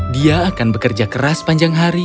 dia akan bekerja keras panjang hari